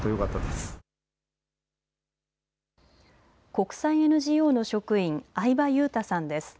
国際ＮＧＯの職員、相波優太さんです。